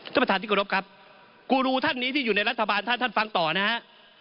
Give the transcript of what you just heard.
ท่านประธานที่กรบครับกูรูท่านนี้ที่อยู่ในรัฐบาลท่านท่านฟังต่อนะฮะ